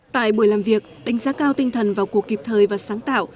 tại buổi làm việc đánh giá cao tinh thần vào cuộc kịp thời và sáng tạo